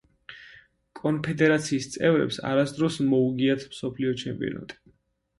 კონფედერაციის წევრებს არასდროს მოუგიათ მსოფლიო ჩემპიონატი.